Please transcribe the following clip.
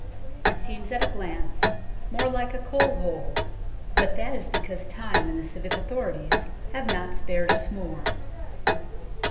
It seems at a glance more like a coal hole, but that is because time and the civic authorities have not spared us more.